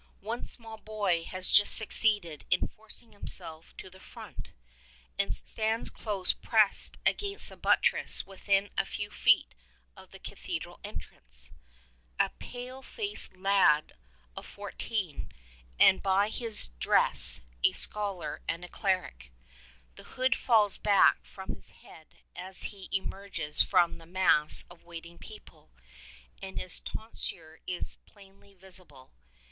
One small boy has just succeeded in forcing himself to the front, and stands close pressed against a buttress within a few feet of the cathedral entrance. A pale faced little lad of fourteen, and by his dress a scholar and a cleric. The hood falls back from his head as he emerges from the mass of waiting people, and his ton sure is plainly visible.